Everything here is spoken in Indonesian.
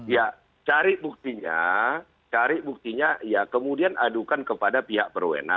ya cari buktinya cari buktinya ya kemudian adukan kepada pihak berwenang